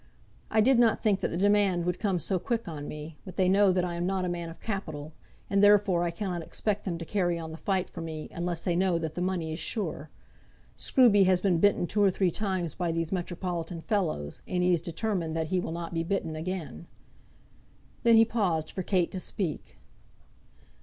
I did not think that the demand would come so quick on me; but they know that I am not a man of capital, and therefore I cannot expect them to carry on the fight for me, unless they know that the money is sure. Scruby has been bitten two or three times by these metropolitan fellows, and he is determined that he will not be bitten again." Then he paused for Kate to speak.